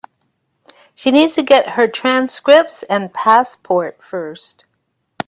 She needs to get her transcripts and passport first.